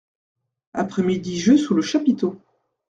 Après-midi jeux sous le chapiteau.